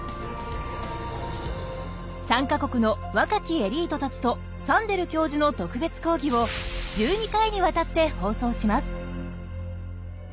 ３か国の若きエリートたちとサンデル教授の特別講義を１２回にわたって放送します。